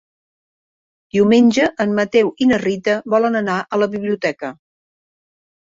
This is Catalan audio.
Diumenge en Mateu i na Rita volen anar a la biblioteca.